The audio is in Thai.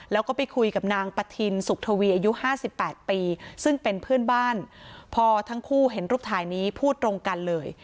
แล้วก็ไปคุยกับนางปะทินสุขทวีอายุห้าสิบแปดปีซึ่งเป็นเพื่อนบ้านพอทั้งคู่เห็นรูปถ่ายนี้พูดตรงกันเลย